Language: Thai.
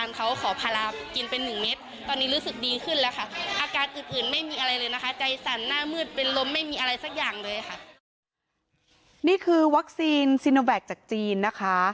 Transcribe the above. นี่คือวัคซีนซีโนแวคจากจีนนะคะ